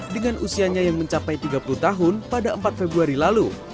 dengan usianya yang mencapai tiga puluh tahun pada empat februari lalu